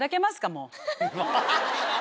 もう。